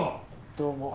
どうも。